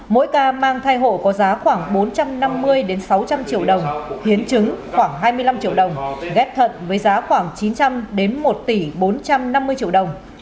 mỗi ca mang thai hộ có giá khoảng bốn trăm năm mươi sáu trăm linh triệu đồng hiến chứng khoảng hai mươi năm triệu đồng ghép thận với giá khoảng chín trăm linh một tỷ bốn trăm năm mươi triệu đồng